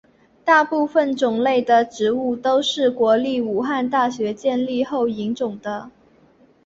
大部分种类的植物都是国立武汉大学建立后引种的。